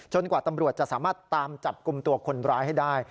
กว่าตำรวจจะสามารถตามจับกลุ่มตัวคนร้ายให้ได้